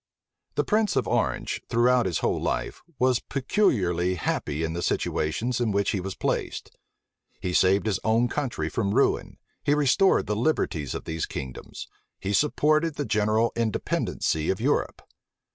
The prince of Orange, throughout his whole life, was peculiarly happy in the situations in which he was placed. He saved his own country from ruin, he restored the liberties of these kingdoms, he supported the general independency of Europe.